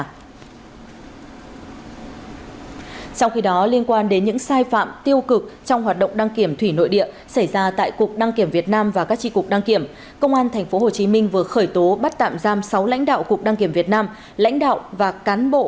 trong khi đó liên quan đến những sai phạm tiêu cực trong hoạt động đăng kiểm thủy nội địa xảy ra tại cục đăng kiểm thủy nội địa cơ quan an ninh điều tra công an tp hcm đã tiến hành khám xét chỗ ở nơi làm việc của hai bị can này